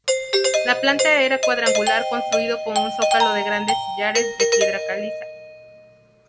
La planta era cuadrangular, construido con un zócalo de grandes sillares de piedra caliza.